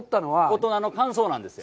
大人の感想なんですよ。